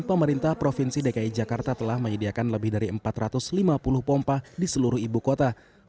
pemerintah provinsi dki jakarta telah menyediakan lebih dari empat ratus lima puluh pompa di seluruh ibu kota